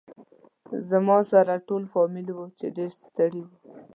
زما سره ټول فامیل و چې ډېر ستړي و.